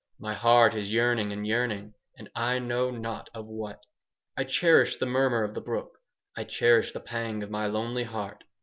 My heart is yearning and yearning, and I know not of what. I cherish the murmur of the brook. I cherish the pang of my lonely heart."